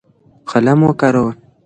قلم وکاروه.